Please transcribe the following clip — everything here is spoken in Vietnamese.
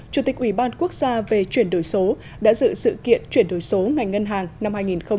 chủ tịch ủy ban quốc gia về chuyển đổi số đã dự sự kiện chuyển đổi số ngành ngân hàng năm hai nghìn hai mươi